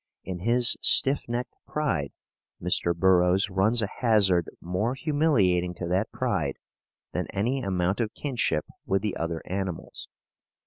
In his stiff necked pride, Mr. Burroughs runs a hazard more humiliating to that pride than any amount of kinship with the other animals.